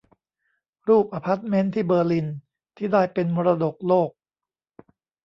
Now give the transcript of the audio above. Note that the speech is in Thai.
รูปอพาร์ตเมนต์ที่เบอร์ลิน ที่ได้เป็นมรดกโลก